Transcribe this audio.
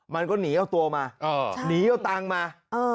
มันก็หนีเอาตัวมาหนีเอาตังค์มา